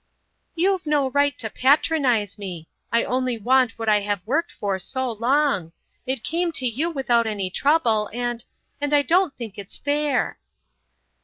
"You've no right to patronise me! I only want what I have worked for so long. It came to you without any trouble, and—and I don't think it's fair."